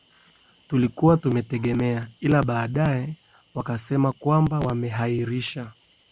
tulikuwa tumeutegemea ila baadaye wakasema kwamba wameahirisha